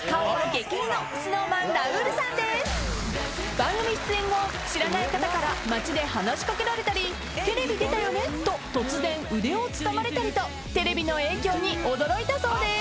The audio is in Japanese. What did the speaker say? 番組出演後知らない方から街で話し掛けられたり「テレビ出たよね？」と突然腕をつかまれたりとテレビの影響に驚いたそうです。